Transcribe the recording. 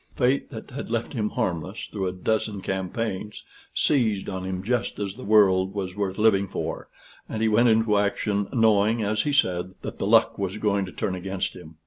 Fate, that had left him harmless through a dozen campaigns, seized on him just as the world was worth living for, and he went into action knowing, as he said, that the luck was going to turn against him.